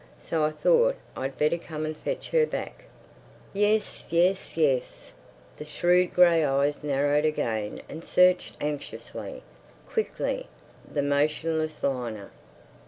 So I thought I'd better come and fetch her back. Yes, yes, yes." The shrewd grey eyes narrowed again and searched anxiously, quickly, the motionless liner.